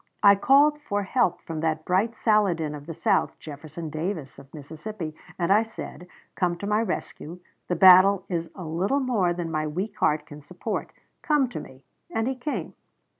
"I called for help from that bright Saladin of the South, Jefferson Davis, of Mississippi and I said, 'Come to my rescue; the battle is a little more than my weak heart can support. Come to me;' and he came.